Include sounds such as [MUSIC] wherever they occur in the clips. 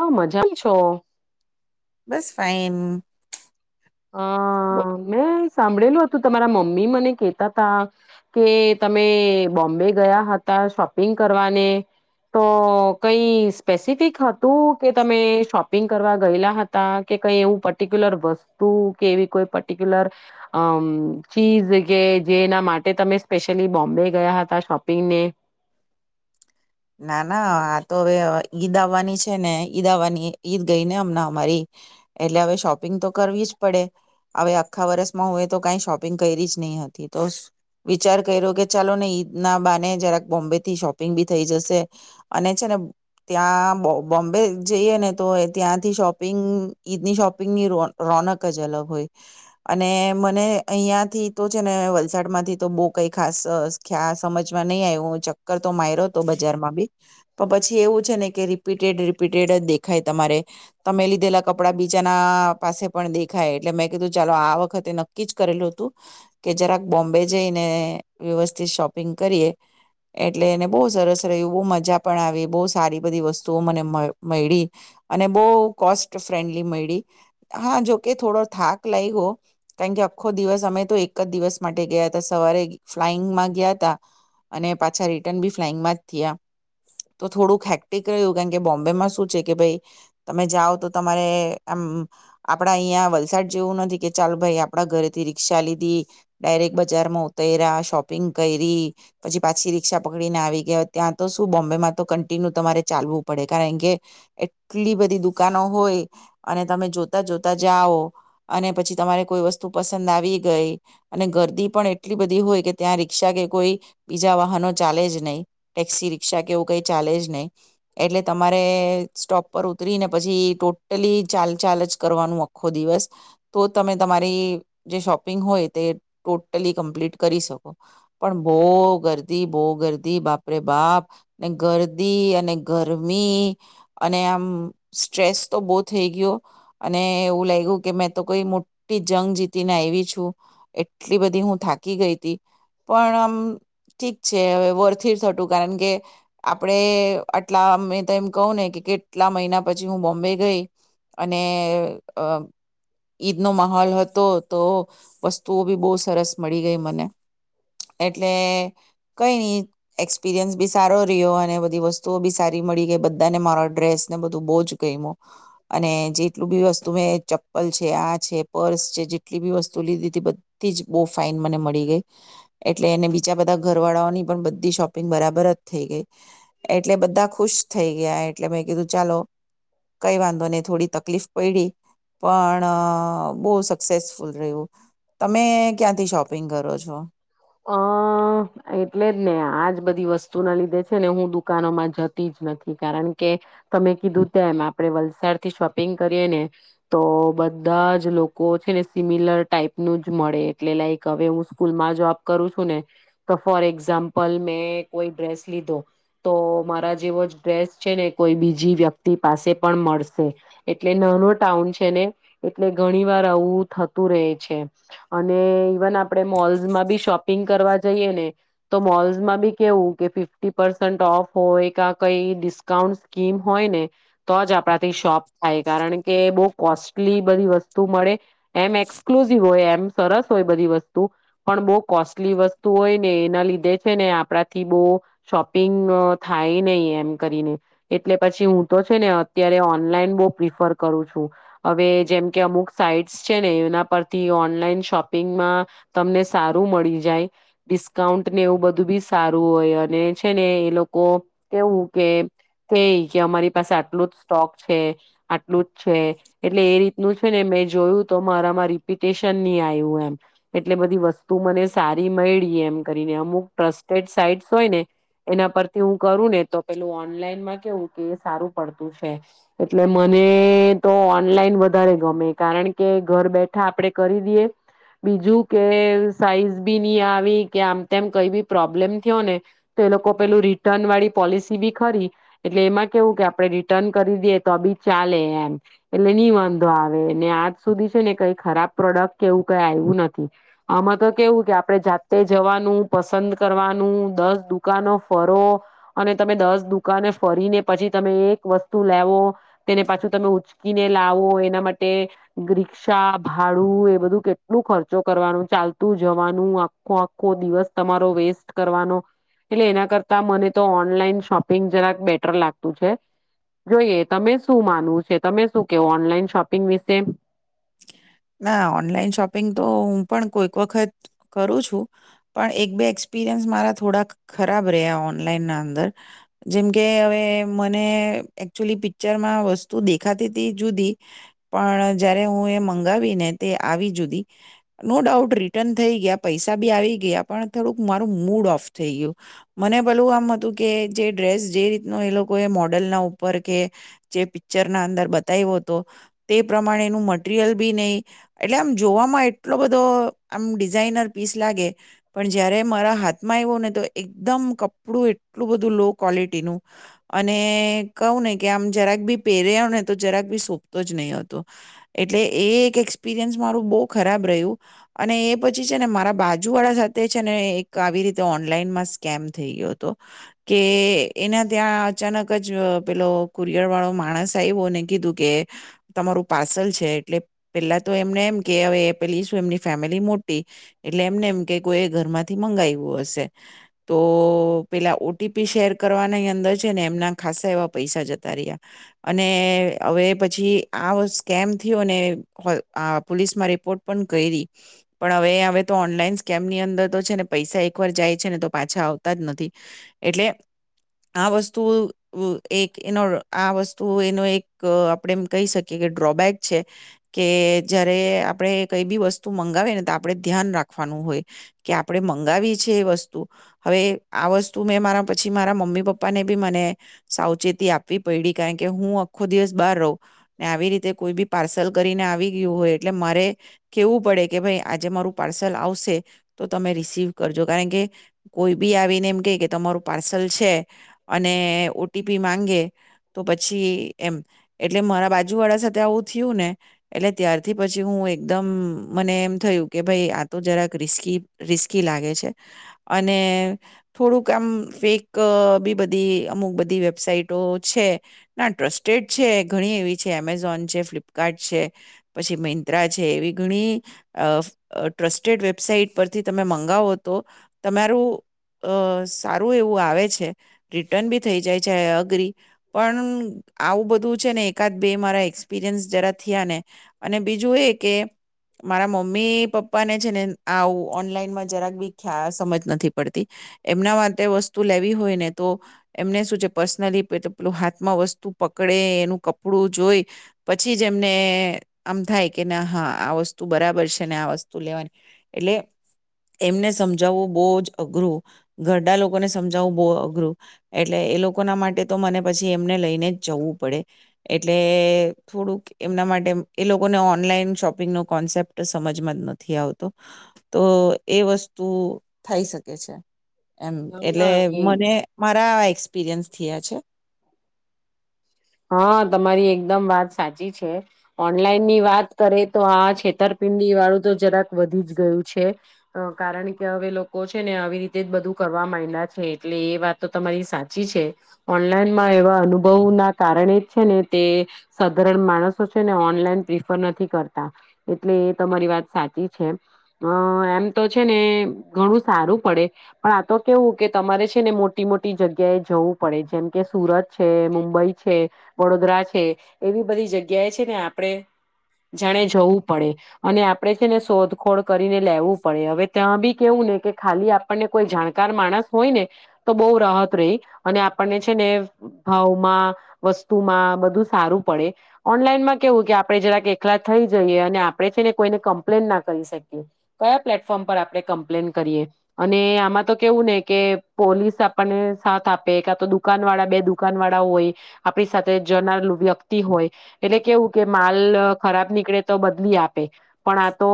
આ મજા છો બસ ફાઇન. હા. મે સાંભળેલું હતું તમારા મમ્મી મને કેતા તા કે તમે બોમ્બે ગયા હતા શોપિંગ કરવાને તો કઈ સ્પેસિફિક હ તું કે તમે શોપ પિંગ કરવા ગયેલા હતા કે કઈ એવું પર્ટિક્યુલર વસ તું કેવી કોઈ પર્ટિક્યુલર અ ચીઝ કે જેના માટે તમે સ્પેશિયલી બોમ્બે ગયા હતા શોપિંગને [INAUDIBLE] ના ના આ તો હવે ઈદ આવવાની છે ને ઈદ આવવાની ઈદ ગઈ ને હમ અમારી એટલે હવે શોપિંગ તો કરવી જ પડે હવે આખા વરસમાં હું એ તો કઈ શોપિંગ કઈરી જ નઈ હતી તો વિચાર કઈરો કે ચાલો ને ઈદ ના બાને જરાક બોમ્બે થી શોપિંગ બી થઈ જશે અને છે અને ત્યાં બો-બોમ્બે જઈએ ને તો એ ત્યાંથી શોપિંગ ઈદની શોપિંગની રો-રોનક જ અલગ હોય અને મને અહીયાંયાથી તો છે ને વલસાડ માંથી તો બહુ કઈ ખાસ ખ્યા સમજમાં નહીં આવ્યું ચક્કર તો માયરો તો બજારમાં બી પણ પછી એવું છે ને કે રિપીટેડ રિપીટેડ જ દેખાય તમારે તમે લીધેલા કપડા બીજાના પાસે પણ દેખાય એટલે મેં કીધું ચાલો આ વખતે નક્કી જ કરેલું હતું કે જરાક બોમ્બે જઈને વ્યવસ્થિત શોપિંગ કરીએ એટલે એને બહુ સરસ રહ્યું બહુ મજા પણ આવી બહુ સારી બધી વસ્તુઓ મને મ-મઈળી અને બહુ કોસ્ટ ફ્રેન્ડલી મઈળી હા જોકે થોડો થાક લાઇગો કારણ કે આખો દિવસ અમે તો એક જ દિવસ માટે ગયા તા સવારે ફ્લાઈંગમાં ગયા ત અને પાછા રિટર્ન બી ફ્લાઈંગમાં જ થ્યા તો થોડુંક હેક્ટિક રહ્યું કારણ કે બોમ્બેમાં શું છે કે ભઈ તમે જાઓ તો તમારે આમ આપડા અહીંયા વલસાડ જેવું નથી કે ચાલ ભાઈ આપણા ઘરેથી રિક્શા લીધી ડાયરેક્ટ બજારમાં ઉતઈરા શોપિંગ કઈરી પછી પાછી રીક્ષા પક ને આવી ગયા ત્યાં તો શું બોમ્બેમાં તો કન્ટિનું તમારે ચાલવું પડે કારણ કે એટલી બધી દુકાનો હોય અને તમે જોતા જોતા જાઓ અને પછી તમારે કોઈ વસ્તુ પસંદ આવી ગઈ અને ગરદી પણ એટલી બધી હોય કે ત્યાં રિક્ષા કે કોઈ બીજા વાહનો ચાલે જ નહીં ટેક્સી રિક્ષા કે એવું કંઈ ચાલે જ નહીં એટલે તમારે સ્ટોપ પર ઉતરીને પછી ટોટલી ચાલ ચાલ જ કરવાનું આખો દિવસ તો તમે તમારી જે શોપિંગ હોય તે ટોટલી કમ્પ્લીટ કરી શકો પણ બોઉ ગર્દી બોઉ ગર્દી બાપરે બાપ ને ગરદી અને ગરમી અને આમ સ્ટ્રેસ તો બહુ થઈ ગયો અને એવું લાગ્યું કે મેં તો કોઈ મોટી જંગ જીતીને આવી છું એટલી બધી હું થાકી ગઈતી પણ આમ ઠીક છે હવે વર્થીથ હતું કારણ કે આપડે આટલા મે તો એમ કહું ને કે કેટલા મહિના પછી હું બોમ્બે ગઈ અને અ ઈદનો મહોલ હતો તો વસ્તુઓ બી બહુ સરસ મળી ગઈ મને એટલે. કઈ ની એક્સપિરિયન્સ બી સારો રીઓ અને બધી વસ્તુઓ બી સારી મળી ગઈ બધાને મારા ડ્રેસને બધું બૌ જ ગઈમુ અને જેટલું બી વસ્તુ મેં ચપ્પલ છે આ છે પર્સ છે જેટલી બી વસ્તુ લીધીતી બધી જ બહુ ફાઈન મને મળી ગઈ એટલે એને બીજા બધા ઘરવાળાઓની પણ બધી શોપિંગ બરાબર જ થઈ ગઈ એટલે બધા ખુશ થઈ ગયા એટલે મેં કીધું ચાલો કઈ વાંધો નઈ થોડી તકલીફ પડી પણ બહુ સક્સેસફુલ રહ્યું. તમે ક્યાંથી શોપિંગ કરો છો? અ એટલે જ ને આજ બધી વસ્તુ ના લીધે છે ને હું દુકાનોમાં જતી જ નથી કારણ કે તમે કીધું તેમ આપડે વલસાડ થી શોપિંગ કરીએ ને તો બધા જ લોકો છે ને સિમિલર ટાઈપનું જ મળે એટલે લાઈક હવે હું સ્કૂલમાં જો કરું છું ને તો ફોર એક્ઝામ્પલ મેં કોઈ ડ્રેસ લીધો તો મારા જેવો ડ્રેસ છે ને કોઈ બીજી વ્યક્તિ પાસે પણ મળશે એટલે નાનો ટાઉન છે ને એટલે ઘણી વાર આવું થતું રહે છે અને ઇવન આપણે મોલ્જમાં બી શોપ શપિંગ કરવા જઈએ ને તો મોલ્સમાં બી કેવું કે ફિફ્ટી પસન્ટ ઓફ હોય ક કઈ ડિસ્કાઉન્ટ સ્કીમ હોય ને તો જ આપણાથી શોપ થાય કારણ કે બહુ કોસ્ટલી બધી વસ્તુ મળે એમ એક્સક્લુઝિવ હોય એમ સરસ હોય બધી વસ્તુ પણ બહુ કોસ્ટલી વસ્તુ હોય ને એના લીધે છે ને આપણાથી બહુ શોપિંગ થાય નહીિ એમ કરીને એટલે પછી હું તો છે ને અત્યારે ઓનલાઈન બહુ પ્રિફર કરું છું હવે જેમ કે અમુક સાઈટ્સ છે ને એના પરથી ઓનલાઈન શોપિંગમાં તમને સારું મળી જાય ડિસ્કાઉન્ટને એવું બધું બી સારું હોય અને છે ને એ લોકો કેવું કે થ કે અમારી પાસે આટલું જ સ્ટોક છે આટલું જ છે એટલે એ રીતનું છે ને મેં જોયું તો મારામાં રિપ્યુટેશન નહી આવ્યું એમ એટલે બધી વસ્તુ તું મને સારી મળી એમ કરીને અમુક ટ્રસ્ટેડ સાઈટ્સ હોય ને એના પરથી હું કરું ને તો પેલું ઓનલાઈનમાં કેવું કે સારું પડતું છે એટલે મને તો ઓનલાઈન વધારે ગમે કારણ કે ઘર બેઠા આપણેે કરી દઈએ બીજું કે સાઈઝ બી નહી આવી કે આમ તેમ કઈ બી પ્રોબ્લેમ થયો ને, તો એ લોકો પેલું રિટર્ન વાળી પોલિસી બી ખરી, એટલે એમાં કેવું કે આપડણે રિટર્ન કરી દઈએ તો આ બી ચાલે એમ, એટલે નહી વાંધો આવે ને આજ સુધી છે ને કઈ ખરાબ પ્રોડક્ટ કે એવું કઈ આવ્યું નથી, આમાં તો કેવું કે આપડણે જાતે જવાનું પસંદ કરવાનું દસ દુકાનો ફરો, અને તમે દસ દુકાને ફરીને પછી તમે એક વસ્તુ લેવો, તેને પાછું તમે ઉચકીને લાવો એના માટે રિક્ષા ભાડું એ બધું કેટલું ખર્ચો કરવાનું ચાલતું જવાનું આખો આખો દિવસ તમારો વેસ્ટ કરવાનો, એટલે એના કરતા મને તો ઓનલાઈન શોપિંગ જરાક બેટર લાગતું છે, જોઈએ તમે શું માનવું છે તમે શું કેવ ઓનલાઈન શોપિંગ વિશે? ના ઓનલાઈન શોપિંગ તો હું પણ કોઈક વખત કરું છું, પણ એક બે એક્સપિરિયન્સ મારા થોડા ખરાબ રહ્યા ઓનલાઈનના અંદર, જેમકે હવે મને એકચુલી પિક્ચરમાં વસ્તુ દેખાતી હતી જુદી, પણ જ્યારે હ મંગાવીને તે આવી જુદી, નો ડાઉટ રિટર્ન થઈ ગયા પૈસા બી આવી ગયા પણ થોડુંક મારું મૂડ ઓફ થઈ ગયું, મને ભલું આમ હતું કે જે ડ્રેસ જે રીતનો એ લોકો એ મોડલના ઉપર કે, જે પિક્ચર ના અંદર બતાવ્યો હતો, તે પ્રમાણે મટરિયલ બી નહી, એટલે આમ જોવામાં એટલો બધો આમ ડિઝાઇનર પીસ લાગે, પણ જયારે મારા હાથમાં આવ્યો ને તો એકદમ કપડું એટલું બધું લો ક્વોલિટીનું, અને કહું ને કે આમ જરાક બી પહેર્યો ને તો જરાક બી સોંપતો જ નહીં હતો. એટલે એ એક એક્સપિરિયન્સ મારું બહુ ખરાબ રહ્યું, અને એ પછી છે ને મારા બાજુ વાળા સાથે છે ને એક આવી રીતે ઓનલાઈનમાં સ્કેમ થઈ ગયો હતો, કે એના ત્યાં અચાનક જ પેલો કુરિયર વાળો માણસ આવ્યોને કીધું કે, તમારું પાર્સલ છે. એટલે પેલા તો એમને એમ કે હવે પેલી શું એમની ફેમિલી મોટી, એટલે એમને એમ કે કોઈ ઘરમાંથી મંગાવું હશે, તો પેલા ઓટીપી શેર કરવાની અંદર છે ને એમના ખાસસા એવા પૈસા જતા રહ્યા, અને હવે પછી આ સ્કેમ પોલીસમાં રિપોર્ટ પણ કરી, પણ હવે હવે તો ઓનલાઈન સ્કેમની અંદર તો છે ને પૈસા એકવાર જાય છે ને તો પાછા આવતા જ નથી, એટલે આ વસ્તુ એક આ વસ્તુ એનો એક આપણે એ કહી શકીએ કે ડ્રોબેક છે, કે જયારે આપણે કઈ બી વસ્તુ મંગાવે ને તો આપડે ધ્યાન રાખવાનું હોય, કે આપણે મંગાવી છે એ વસ્તુ, હવે આ વસ્તુ મેં મારા પછી મારા મમ્મી પપ્પા ને બી મને સાવચેતી આપવી પડી કારણ કે હું આખો દિવસ બહાર રહું ને આવી રીતે કોઈ બી પાર્સલ કરીને આવી ગયું હોય એટલે મારે, કહેવું પડે કે ભાઈ આજે મારું પાર્સલ આવશે, તો તમે રિસીવ કરજો કારણ કે કોઈ બી આવીને એમ કહે કે તમારું પાર્સલ છે, અને ઓ ટી પી માંગે તો પછી એમ એટલે મારા બાજુવાળા સાથે આવું થયું ને, એટલે ત્યારથી પછી હું એકદમ મને એમ થયું કે ભાઈ આ તો જરાક રિસ્કી રિસ્કી લાગે છે, અને થોડુંક આમ ફેક બી બધી અમુક બધી વેબસાાઈટો છે, ના ટ્રસ્ટેડ છે ઘણી એવી છે એમેઝોન છે ફ્લિપ ફલપકાર્ટ છે, પછી મિંત્રા છે એવી ઘણી, ટ્રસ્ટેડ વેબસાાઈટ પરથી તમે મંગાવો તો, તમારું સારું એવું આવે છે, રિટર્ન બી થઈ જાય છે એગ્રી પણ આવું બધું છે ને એકાદ બે મારા એક્સપિરિયન્સ જરા થયા ને, અને બીજું એ કે મારા મમ્મી પપ્પાને છે ને આવું ઓનલાઈનમાં જરાક બી ખ સમજ નથી પડતી, એમના માટે વસ્તુ લેવી હોય ને તો, એમને શું છે પર્સનલી પેલું હાથમાં વસ્તુ પકડે એનું કપડું જોઈ. પછી જ એમને આમ થાય કે ના હા આ વસ્તુ બરાબર છે ને આ વસ્તુ લેવાની, એટલે એમને સમજાવવું બહુ જ અઘરું, ઘરડા લોકોને સમજાવવું બહુ અઘરું, એટલે એ લોકોના માટે તો મને પછી એમને લઈને જ જવું પડે, એટલે થોડુંક એમના માટે એ લોકોને ઓનલાઈન શોપિંગનો કોન્સેપ્ટ સમજમાં જ નથી આવતો. તો એ વસ્તુ થઈ શકે છે એમ, એટલે હા એ મને મારા [UNINTELLIGIBLE] હા તમારી એકદમ વાત સાચી છે, ઓનલાઈન ની વાત કરે તો આ છેતરપિંડની વાળું તો જરાક વધી જ ગયું છે, કારણ કે હવે લોકો છે ને આવી રીતે જ બધું કરવા માંડા છે એટલે એ વાત તો તમારી સાચી છે, ઓનલાઈનમાં એવા અનુભવ ના કારણ જ છે ને તે, સાધારણ માણસો છે ને ઓનલાઈન પ્રિફર નથી કરતા, એટલે એ તમારી વાત સાચી છે, અ એમ તો છે ને ઘણું સારું પડે, પણ આ તો કેવું કે તમારે છે ને મોટી મોટી જગ્યાએ જવું પડે જેમ કે સુરત છે મુંબઈ વડોદરા છે, એવી બધી જગ્યાએ છે ને આપણે જાણે જવું પડે, અને આપણે છે ને શોધખોળ કરીને લેવું પડે હવે ત્યાં બી કેવું ને કે ખાલી આપણને કોઈ જાણકાર માણસ હોય ને, તો બહ રાહત રહી અને આપણને છે ને ભાવમાં વસ્તુમાં બધું સારું પડે ઓનલાઈનમાં કેવું કે આપણે જરાક એકલા થઈ જઈએ અને આપડે છે ને કોઈને કમ્પ્લેન ના કરી શકીએ. કયા પ્લેટફોર્મ પર આપણે કમ્પ્લેન કરીએ અને આમાં તો કેવું ને કે પોલીસ આપણને સાથ આપે કા તો દુકાનવાળા બે દુકાનવાળા હોય આપણી સાથે જનાર વ્યક્તિ હોય એટલે કેવું કે માલ ખરાબ નીકળે તો બદલી આપે પણ આ તો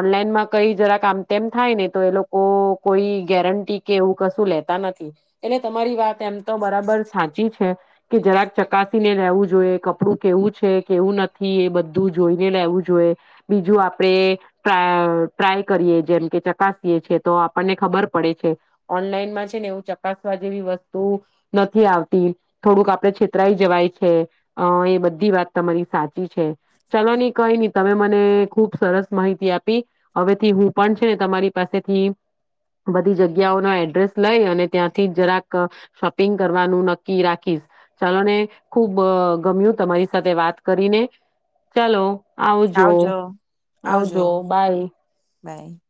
ઓનલાઈનમાં કઈ જરાક આમતેમ થાય ને તો એ લોકો કોઈ ગેરંટી કે એવું કશું લેતા નથી એટલે તમારી વાત તેમ તો બરાબર સાચી છે. કે જરાક ચકાસીને લેવું જોઈએ કપડું કેવું છે કેવું નથી એ બધું જોઈને લેવું જોઈએ. બીજું આપણેે ટ્રાઅ-ટ્રાય કરીએ જેમ કે ચકાસીએ છે તો આપણને ખબર પડે છે. ઓનલાઈનમાં છે ને એવું ચકાસવા જેવી વસ્તુ નથી આવતી. થોડુંક આપડે છેતરાઈ જવાય છે. અ એ બધી વાત તમારી સાચી છે. ચલો ની કઈ નઈ તમે મને ખુબ સરસ માહિતી આપી. હવેથી હું પણ છે ને તમારી પાસેથી બધી જગ્યાઓના એડ્રેસ લઈ અને ત્યાંથી જરાક શોપિંગ કરવાનું નક્કી રાખ ખીશ. ચલો ને ખુબ અ ગમ્યું તમારી સાથે વાત કરીને ચલો. આવજો. આવજો. બાય. બાય.